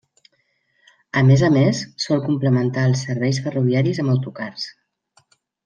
A més a més, sol complementar els serveis ferroviaris amb autocars.